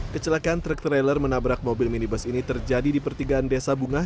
kecelakaan truk trailer menabrak mobil minibus ini terjadi di pertigaan desa bungah